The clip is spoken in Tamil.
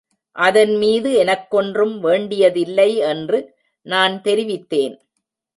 அதன்மீது எனக்கொன்றும் வேண்டியதில்லை என்று நான் தெரிவித்தேன்.